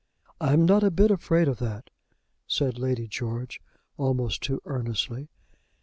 "I'm not a bit afraid of that," said Lady George, almost too earnestly.